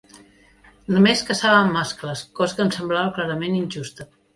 Només caçaven mascles, cosa que em semblava clarament injusta.